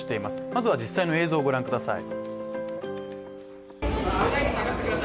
まずは実際の映像をご覧ください。